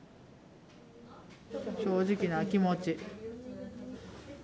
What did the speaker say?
正直な気持ち。